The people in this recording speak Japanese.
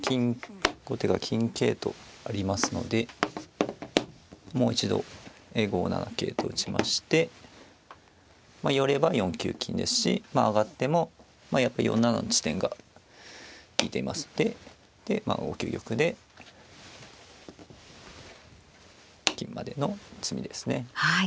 後手が金桂とありますのでもう一度５七桂と打ちまして寄れば４九金ですしまあ上がってもやっぱ４七の地点が利いていますんでで５九玉で金までの詰みですね。